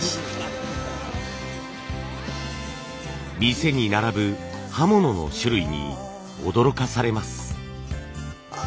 店に並ぶ刃物の種類に驚かされます。